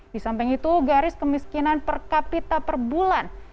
disamping itu garis kemiskinan di kota ini juga menaik sebesar delapan persen